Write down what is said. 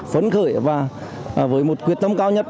phấn khởi và với một quyết tâm cao nhất